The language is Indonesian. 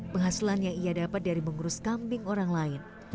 penghasilan yang ia dapat dari mengurus kambing orang lain